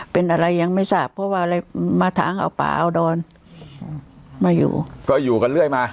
เป็นอะไรยังไม่ทราบเพราะว่าอะไรมาทางเอาป่าเอาดอนมาอยู่ก็อยู่กันเรื่อยมา